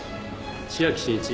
千秋真一。